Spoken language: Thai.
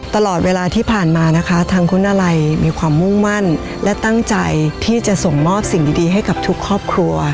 ตลอดเวลาที่ผ่านมานะคะทางคุณอะไรมีความมุ่งมั่นและตั้งใจที่จะส่งมอบสิ่งดีให้กับทุกครอบครัว